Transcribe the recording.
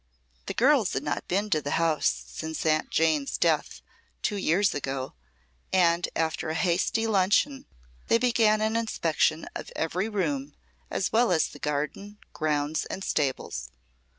The girls had not been to the house since Aunt Jane's death, two years ago, and after a hasty luncheon they began an inspection of every room, as well as the garden, grounds and stables.